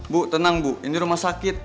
bu tenang bu ini rumah sakit